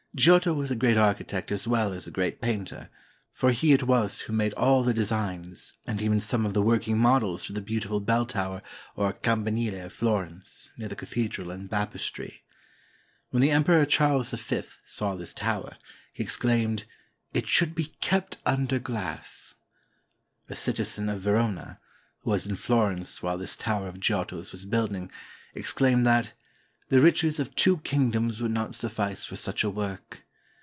Giotto was a great architect as well as a great painter, for he it was who made all the designs, and even some of the working models for the beautiful bell tower, or campanile of Florence, near the cathedral and baptistery. When the Emperor Charles V saw this tower, he ex claimed, "It should be kept under glass." A citizen of 80 GIOTTO AND HIS "0" Verona, who was in Florence while this tower of Giotto's was building, exclaimed that "the riches of two king doms would not sufl&ce for such a work."